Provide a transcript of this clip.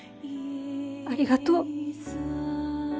ありがとう。